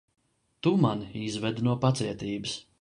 Tu mani izved no pacietības.